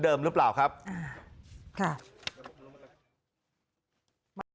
หรือเปล่าครับอ่าค่ะ